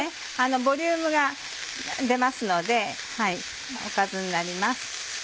ボリュームが出ますのでおかずになります。